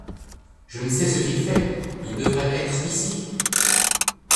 Je ne sais ce qu'il fait ; il devrait être ici.